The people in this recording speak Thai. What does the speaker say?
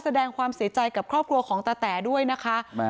แสดงความเสียใจกับครอบครัวของตาแต๋ด้วยนะคะ